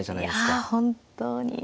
いや本当に。